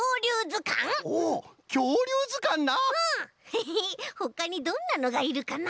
ヘヘッほかにどんなのがいるかな？